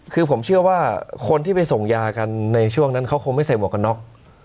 คือผมเชื่อว่าคนที่ไปส่งยากันในช่วงนั้นเขาคงไม่ใส่หมวกกันน็อก